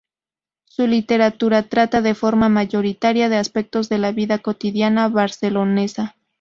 Su literatura trata, de forma mayoritaria, de aspectos de la vida cotidiana barcelonesa.